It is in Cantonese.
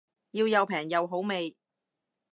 要又平又好味